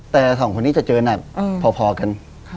แต่สองคนนี้จะเจอหนักพอกัน